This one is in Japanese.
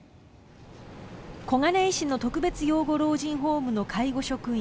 小金井市の特別養護老人ホームの介護職員